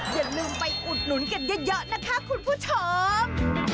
อย่าลืมไปอุดหนุนกันเยอะนะคะคุณผู้ชม